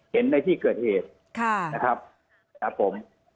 เห็นในที่เกิดเหตุนะครับผม